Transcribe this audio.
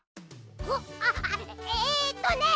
おっあっあっえっとね